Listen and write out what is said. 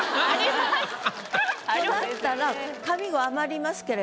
あります。